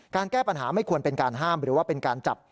แก้ปัญหาไม่ควรเป็นการห้ามหรือว่าเป็นการจับ